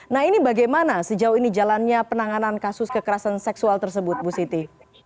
nah ini bagaimana sejauh ini jalannya penanganan kasus kekerasan seksual tersebut bu siti